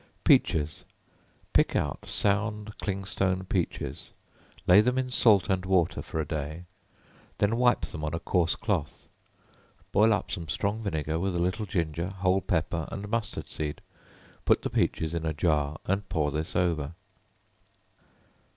Peaches. Pick out sound clingstone peaches; lay them in salt and water for a day, then wipe them on a coarse cloth: boil up some strong vinegar, with a little ginger, whole pepper and mustard seed; put the peaches in a jar and pour this over.